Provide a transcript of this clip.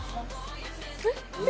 えっ？